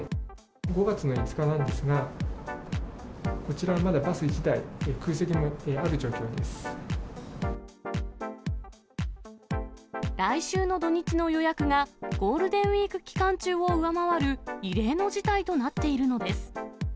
５月の５日なんですが、こちら、まだバス１台、来週の土日の予約が、ゴールデンウィーク期間中を上回る異例の事態となっているのです。